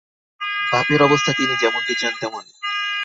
বাপের অবস্থা তিনি যেমনটি চান তেমনি।